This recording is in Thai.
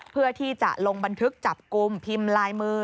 เพื่อที่จะลงบันทึกจับกลุ่มพิมพ์ลายมือ